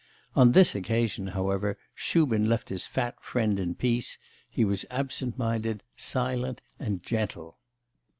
On this occasion, however, Shubin left his fat friend in peace; he was absent minded, silent, and gentle.